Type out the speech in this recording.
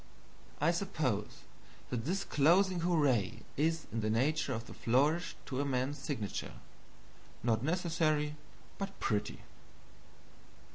I suppose that this closing hurrah is in the nature of the flourish to a man's signature not necessary, but pretty.